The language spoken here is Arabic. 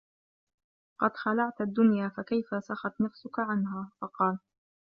قَدْ خَلَعْت الدُّنْيَا فَكَيْفَ سَخَتْ نَفْسُك عَنْهَا ؟ فَقَالَ